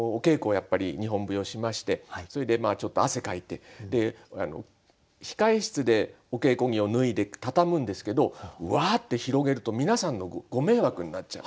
やっぱり日本舞踊しましてそれで汗かいて控え室でお稽古着を脱いでたたむんですけどわって広げると皆さんのご迷惑になっちゃう。